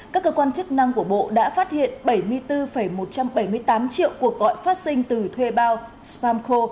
các cơ quan chức năng của bộ đã phát hiện bảy mươi bốn một trăm bảy mươi tám triệu cuộc gọi phát sinh từ thuê bao spam khô